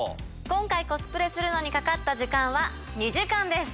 今回コスプレするのにかかった時間は２時間です。